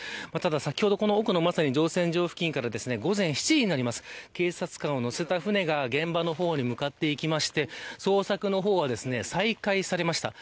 先ほど、この奥の乗船場付近から午前７時ぐらいになります警察官を乗せた舟が現場の方に向かっていきまして捜索の方は、再開されました。